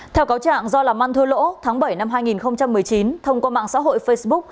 theo cáo trạng do làm ăn thua lỗ tháng bảy năm hai nghìn một mươi chín thông qua mạng xã hội facebook